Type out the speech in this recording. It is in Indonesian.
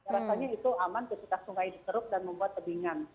rasanya itu aman ketika sungai dikeruk dan membuat tebingan